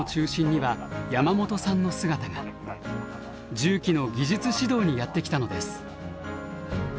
重機の技術指導にやって来たのです。